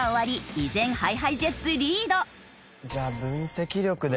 依然ＨｉＨｉＪｅｔｓリード！じゃあ分析力で。